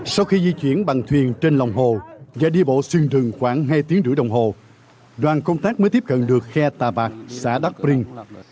sau khi di chuyển bằng thuyền trên lòng hồ và đi bộ xuyên rừng khoảng hai tiếng rưỡi đồng hồ đoàn công tác mới tiếp cận được khe tà vạc xã đắc rinh